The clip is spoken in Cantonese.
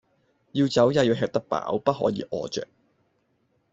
要走也要吃得飽，不可以餓著